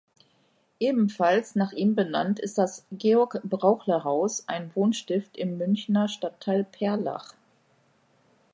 Ebenfalls nach ihm benannt ist das "Georg-Brauchle-Haus", ein Wohnstift im Münchner Stadtteil Perlach.